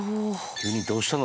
急にどうしたの？